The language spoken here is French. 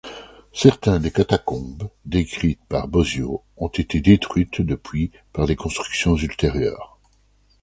Certains des catacombes décrites par Bosio ont été détruites depuis par des constructions ultérieures.